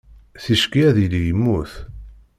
Ticki, ad yili yemmut.